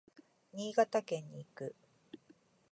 新潟県に行く。